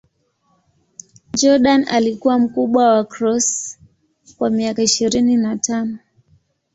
Jordan alikuwa mkubwa wa Cross kwa miaka ishirini na tano.